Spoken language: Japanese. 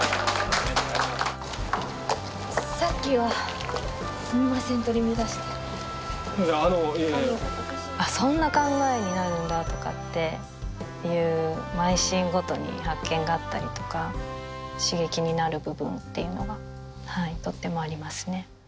さっきはすみません取り乱していやあのいえいえあっそんな考えになるんだとかっていう毎シーンごとに発見があったりとか刺激になる部分っていうのがとってもありますね